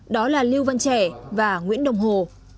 đó là lưu văn trẻ và nguyễn đồng hồ